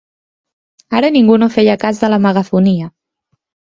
Ara ningú no feia cas de la megafonia.